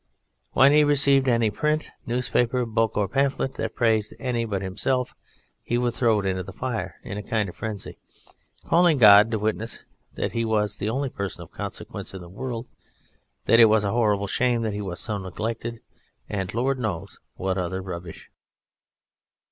When he received any print, newspaper, book or pamphlet that praised any but himself, he would throw it into the fire in a kind of frenzy, calling God to witness that he was the only person of consequence in the world, that it was a horrible shame that he was so neglected, and Lord knows what other rubbish.